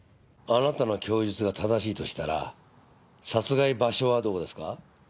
あなたの供述が正しいとしたら殺害場所はどこですか？